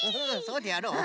そうであろう。